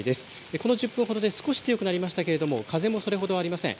この１０分ほどで少し強くなりましたけれども風もそれほどありません。